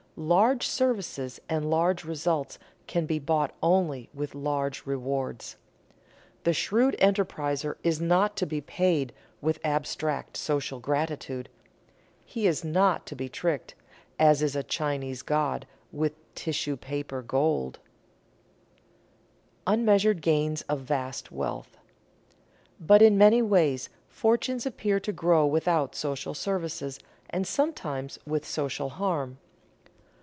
Large services and large results can be bought only with large rewards. The shrewd enterpriser is not to be paid with abstract social gratitude. He is not to be tricked, as is a Chinese god, with tissue paper gold. [Sidenote: Unmeasured gains of vast wealth] But in many ways fortunes appear to grow without social services, and sometimes with social harm.